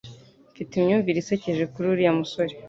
Mfite imyumvire isekeje kuri uriya musore.